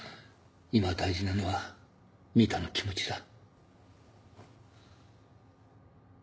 今大事なのはみぃたんの気持ちだ。